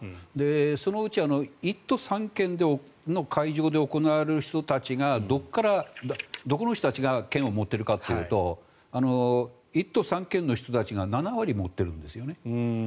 そのうち１都３県の会場で行われる人たちがどこの人たちが券を持っているかというと１都３県の人たちが７割持っているんですよね。